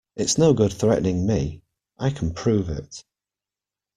It's no good threatening me. I can prove it!